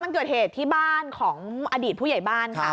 มันเกิดเหตุที่บ้านของอดีตผู้ใหญ่บ้านค่ะ